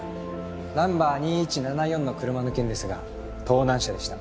ナンバー２１７４の車の件ですが盗難車でした。